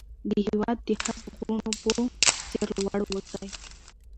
د هېواد د هسک غرونو په څېر لوړ اوسئ.